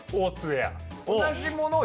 同じものを。